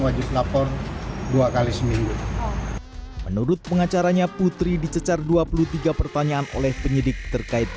wajib lapor dua kali seminggu menurut pengacaranya putri dicecar dua puluh tiga pertanyaan oleh penyidik terkait